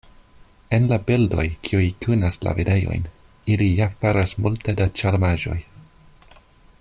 En la bildoj, kiuj kunas la videojn, ili ja faras multe da ĉarmaĵoj.